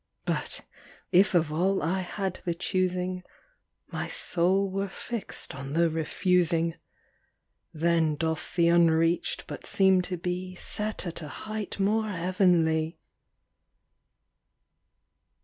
But, if of all I had the choosing, My soul were fix'd on the refusing. Then doth the unreach'd but seem to be Set at a height more heavenly.